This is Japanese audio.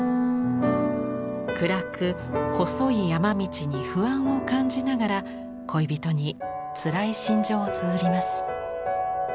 暗く細い山道に不安を感じながら恋人につらい心情をつづります。